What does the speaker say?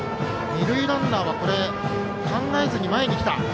二塁ランナーは考えずに前に来た。